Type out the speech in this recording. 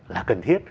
là cần thiết